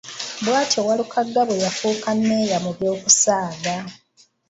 Bw’atyo Walukagga bwe yafuuka mmeeya mu by’okusaaga.